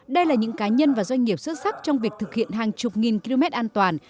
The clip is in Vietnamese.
đây là những cá nhân và doanh nghiệp xuất sắc trong việc thực hiện hàng chục nghìn km an toàn